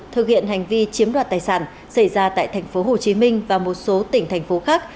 thực hiện hành vi chiếm đoạt tài sản xảy ra tại tp hcm và một số tỉnh thành phố khác